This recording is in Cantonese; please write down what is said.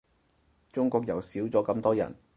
中國又少咗咁多人